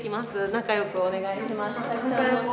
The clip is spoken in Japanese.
仲良くお願いします。